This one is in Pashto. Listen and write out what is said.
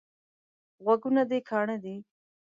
غوږونه دي کاڼه دي؟